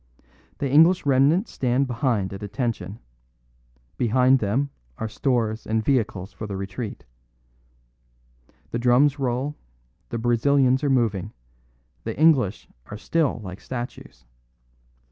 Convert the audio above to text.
The English remnant stand behind at attention; beside them are stores and vehicles for the retreat. The drums roll; the Brazilians are moving; the English are still like statues.